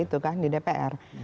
itu kan di dpr